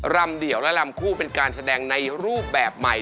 เดี่ยวและลำคู่เป็นการแสดงในรูปแบบใหม่